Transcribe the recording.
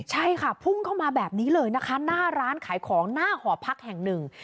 ใช่ค่ะพุ่งเข้ามาแบบนี้เลยนะคะหน้าร้านขายของหน้าหอพักแห่งหนึ่ง